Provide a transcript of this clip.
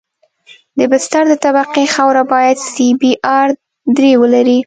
د بستر د طبقې خاوره باید سی بي ار درې ولري